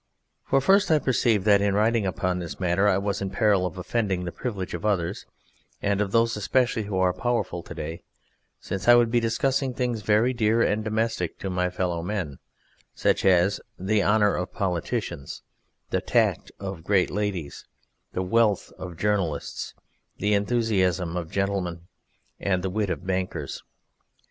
For first I perceived that in writing upon this matter I was in peril of offending the privilege of others, and of those especially who are powerful to day, since I would be discussing things very dear and domestic to my fellow men, such as The Honour of Politicians, The Tact of Great Ladies, The Wealth of Journalists, The Enthusiasm of Gentlemen, and the Wit of Bankers.